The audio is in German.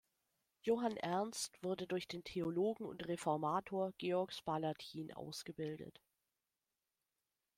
Johann Ernst wurde durch den Theologen und Reformator Georg Spalatin ausgebildet.